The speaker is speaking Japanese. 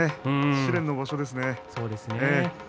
試練の場所ですね。